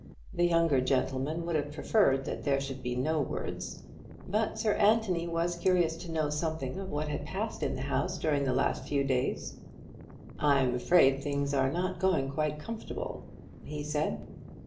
The younger gentleman would have preferred that there should be no words, but Sir Anthony was curious to know something of what had passed in the house during the last few days. "I'm afraid things are not going quite comfortable," he said.